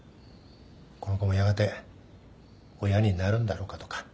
この子もやがて親になるんだろうかとか。